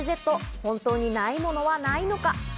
本当にないものはないのか？